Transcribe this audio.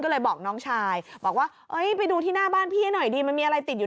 ก็เลยบอกน้องชายบอกว่าเอ้ยไปดูที่หน้าบ้านพี่ให้หน่อยดีมันมีอะไรติดอยู่